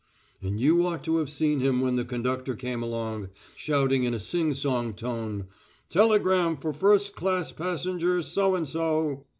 And you ought to have seen him when the conductor came along shouting in a sing song tone "Telegram for first class passenger So and so."